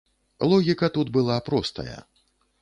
Логіка тут была простая.